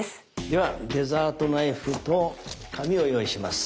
ではデザートナイフと紙を用意します。